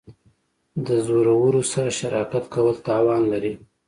د زورورو سره شراکت کول تاوان لري.